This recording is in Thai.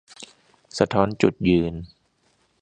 สะท้อนจุดยืน